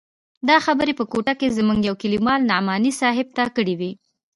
دا خبرې په کوټه کښې زموږ يوه کليوال نعماني صاحب ته کړې وې.